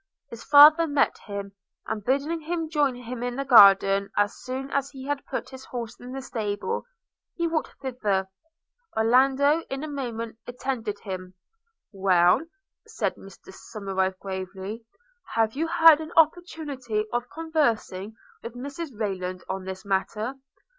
His father met him; and bidding him join him in the garden as soon as he had put his horse in the stable, he walked thither – Orlando in a moment attended him. 'Well,' said Mr Somerive gravely, 'have you had an opportunity of conversing with Mrs Rayland on this matter?